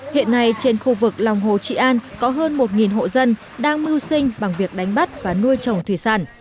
hiện nay trên khu vực lòng hồ trị an có hơn một hộ dân đang mưu sinh bằng việc đánh bắt và đánh bắt